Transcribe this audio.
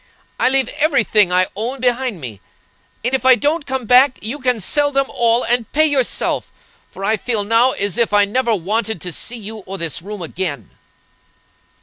I leave every thing I own behind me, and if I don't come back, you can sell them all and pay yourself, for I feel now as if I never wanted to see you or this room again."